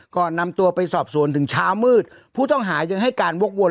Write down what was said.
ก่อนนำตัวไปสอบสวนถึงเช้ามืดผู้ต้องหายังให้การวกวน